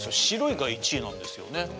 「白い」が１位なんですよね。